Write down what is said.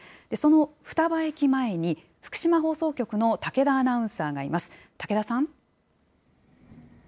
その双葉駅前に、福島放送局の武田アナウンサーがいます。